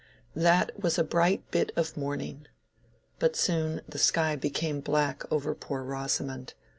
That was a bright bit of morning. But soon the sky became black over poor Rosamond.